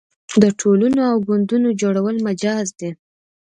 د ټولنو او ګوندونو جوړول مجاز دي.